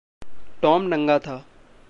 Tom नंगा था।